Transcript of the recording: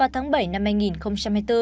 tháng bảy năm hai nghìn hai mươi bốn